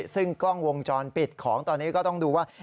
ซึ่งกล้องวงจรปิดของตอนนี้ก็ต้องดูว่า